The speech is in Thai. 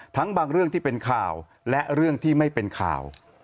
ทั้งบางเรื่องที่เป็นข่าวและเรื่องที่ไม่เป็นข่าว